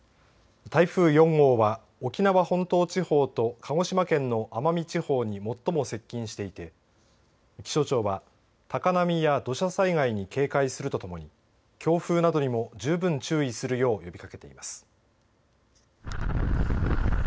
台風４号は沖縄本島地方と鹿児島県の奄美地方に最も接近していて気象庁は高波や土砂災害に警戒するとともに強風などにも十分注意するよう呼びかけています。